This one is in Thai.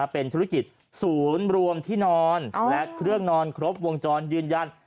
เป็นธุรกิจศูนย์รวมที่นอนและเครื่องนอนครบวงจรยืนยัน